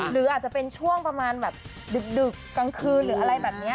หรืออาจจะเป็นช่วงประมาณแบบดึกกลางคืนหรืออะไรแบบนี้